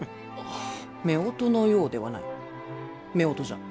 夫婦のようではない夫婦じゃ。